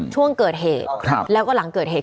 ช่วงเกิดเหตุแล้วก็หลังเกิดเหตุ